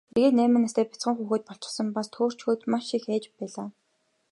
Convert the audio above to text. Эргээд найман настай бяцхан хүүхэд болчихсон, бас төөрчхөөд маш их айж байлаа.